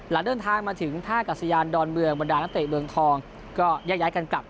หลังเดินทางมาถึงท่ากัศยานดอนเมืองบรรดานักเตะเมืองทองก็แยกย้ายกันกลับ